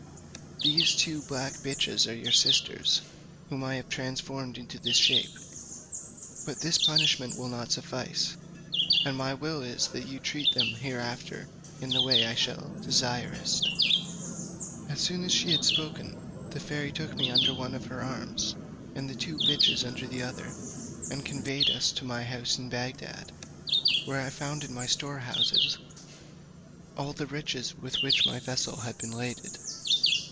"These two black bitches are your sisters, whom I have transformed into this shape. But this punishment will not suffice; and my will is that you treat them hereafter in the way I shall direst." As soon as she had thus spoken the fairy took me under one of her arms, and the two bitches under the other, and conveyed us to my house in Bagdad; where I found in my storehouses all the riches with which my vessel had been laden.